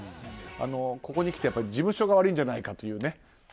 ここにきて事務所が悪いんじゃないかと。